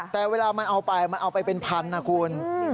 แต่เวลามันเอาไปมันเอาไปเป็นพันนะคุณ